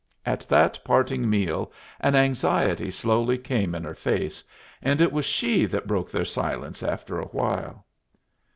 At that parting meal an anxiety slowly came in her face, and it was she that broke their silence after a while.